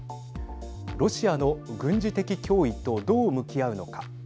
ロシアの軍事的脅威とどう向き合うのか。